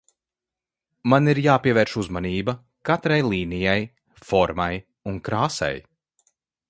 Man ir jāpievērš uzmanība katrai līnijai, formai un krāsai.